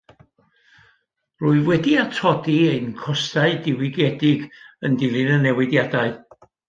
Rwyf wedi atodi ein costau diwygiedig yn dilyn y newidiadau